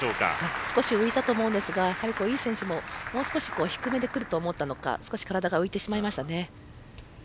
少し浮いたと思うんですが井選手ももう少し低めでくると思ったのか体が浮いてしまいましたね。